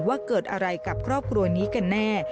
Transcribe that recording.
ว่าเกิดอะไรกับครอบครัวนี้กันแน่